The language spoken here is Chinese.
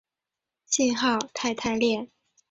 信号肽肽链。